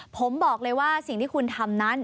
ผมบอกเลยว่าสิ่งที่คุณทำนั้น